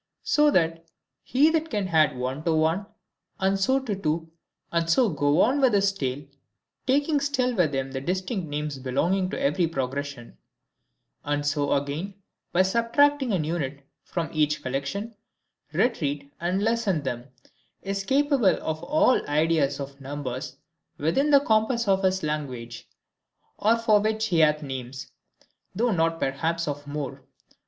So that he that can add one to one, and so to two, and so go on with his tale, taking still with him the distinct names belonging to every progression; and so again, by subtracting an unit from each collection, retreat and lessen them, is capable of all the ideas of numbers within the compass of his language, or for which he hath names, though not perhaps of more.